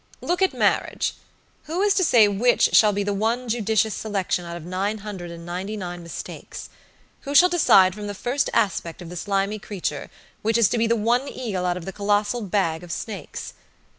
"Look at marriage! Who is to say which shall be the one judicious selection out of nine hundred and ninety nine mistakes! Who shall decide from the first aspect of the slimy creature, which is to be the one eel out of the colossal bag of snakes?